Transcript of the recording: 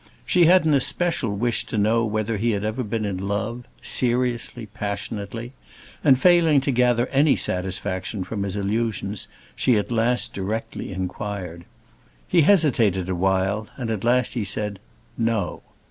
She had an especial wish to know whether he had ever been in love—seriously, passionately—and, failing to gather any satisfaction from his allusions, she at last directly inquired. He hesitated a while, and at last he said, "No!"